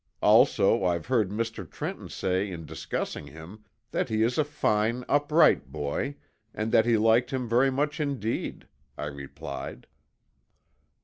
Also I've heard Mr. Trenton say in discussing him that he is a fine, upright boy, and that he liked him very much indeed," I replied.